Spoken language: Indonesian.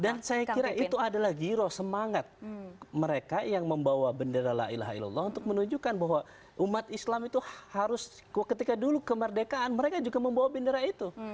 dan saya kira itu adalah giro semangat mereka yang membawa bendera la ilaha ilallah untuk menunjukkan bahwa umat islam itu harus ketika dulu kemerdekaan mereka juga membawa bendera itu